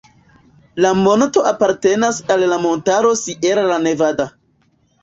La monto apartenas al la montaro Sierra Nevada.